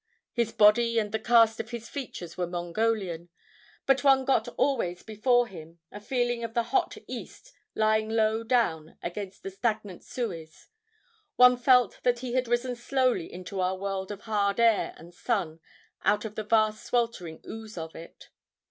His body and the cast of his features were Mongolian. But one got always, before him, a feeling of the hot East lying low down against the stagnant Suez. One felt that he had risen slowly into our world of hard air and sun out of the vast sweltering ooze of it.